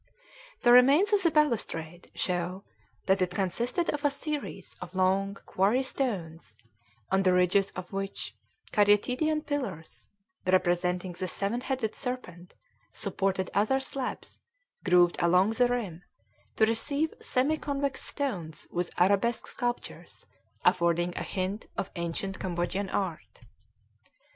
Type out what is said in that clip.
The remains of the balustrade show that it consisted of a series of long quarry stones, on the ridges of which caryatidian pillars, representing the seven headed serpent, supported other slabs grooved along the rim to receive semi convex stones with arabesque sculptures, affording a hint of ancient Cambodian art.